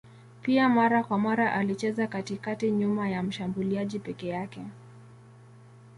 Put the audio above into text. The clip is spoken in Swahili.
Pia mara kwa mara alicheza katikati nyuma ya mshambuliaji peke yake.